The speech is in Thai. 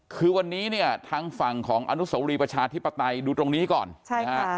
คือวันนี้เนี่ยทางฝั่งของอนุสวรีประชาธิปไตยดูตรงนี้ก่อนใช่ฮะ